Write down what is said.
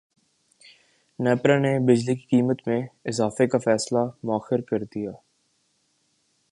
نیپرا نے بجلی کی قیمت میں اضافے کا فیصلہ موخر کردیا